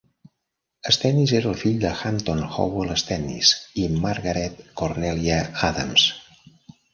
Stennis era el fill de Hampton Howell Stennis i Margaret Cornelia Adams.